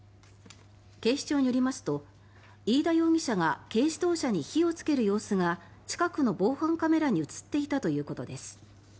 警視庁によりますと飯田容疑者が軽自動車に火をつける様子が近くの防犯カメラに映っていたということです。